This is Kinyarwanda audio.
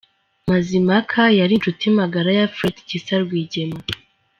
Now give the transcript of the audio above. Mazimhaka yari inshuti magara ya Fred Gisa Rwigema.